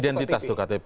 identitas itu ktp